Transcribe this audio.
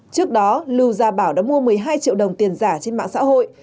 trước đó lưu gia bảo đã mua một mươi hai triệu đồng tiền giả trên mạng xã hội